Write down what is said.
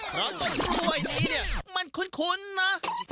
เพราะว่ากล้วยนี้มันขุนนะ